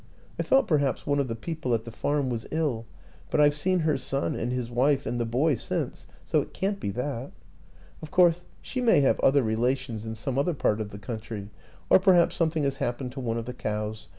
I thought perhaps one of the people at the farm was ill, but I've seen her son and his wife and the boy since, so it can't be that. Of course, she may have other relations in some other part of the country or perhaps some thing has happened to one of the cows.